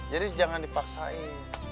jadi jangan dipaksain